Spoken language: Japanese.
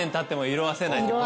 色あせない。